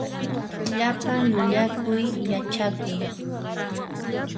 Llapan llullakuy yachakun.